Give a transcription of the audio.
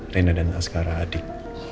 rena dan askara adik